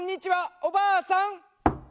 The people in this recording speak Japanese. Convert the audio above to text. おばあさん